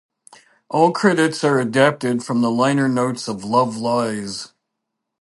All credits are adapted from the liner notes of "Love Lies".